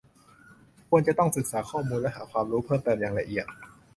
ควรจะต้องศึกษาข้อมูลและหาความรู้เพิ่มเติมอย่างละเอียด